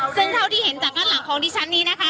ซึ่งเท่าที่เห็นจากด้านหลังของดิฉันนี้นะคะ